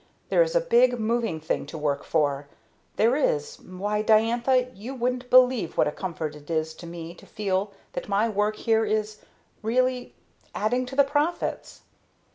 _ There is a big, moving thing to work for. There is why Diantha, you wouldn't believe what a comfort it is to me to feel that my work here is really adding to the profits!"